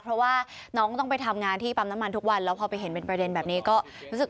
เพราะว่าน้องต้องไปทำงานที่ปั๊มน้ำมันทุกวันแล้วพอไปเห็นเป็นประเด็นแบบนี้ก็รู้สึก